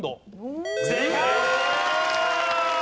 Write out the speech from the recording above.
正解！